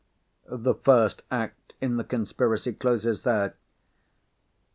The first act in the conspiracy closes there.